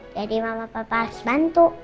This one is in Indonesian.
jadi mama papa harus bantu